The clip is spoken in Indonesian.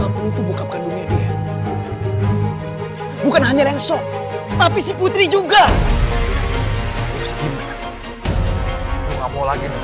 aku gak mau lagi bertemu denganmu sekarang